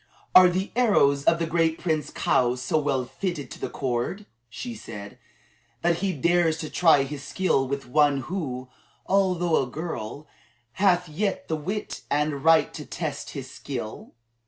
"Are the arrows of the great Prince Kaou so well fitted to the cord," she said, "that he dares to try his skill with one who, although a girl, hath yet the wit and right to test his skill?"